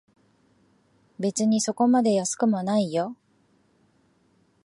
別にそこまで安くもないよ